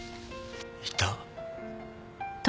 いた。